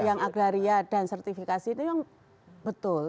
yang agraria dan sertifikasi itu yang betul